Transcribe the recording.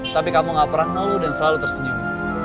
tapi kamu gak pernah ngeluh dan selalu tersenyum